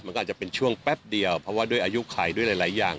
มันก็อาจจะเป็นช่วงแป๊บเดียวเพราะว่าด้วยอายุไขด้วยหลายอย่าง